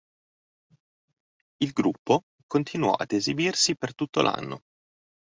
Il gruppo continuò a esibirsi per tutto l'anno.